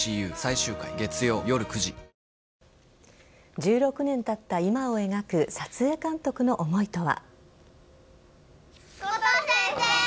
１６年たった今を描く撮影監督の思いとは。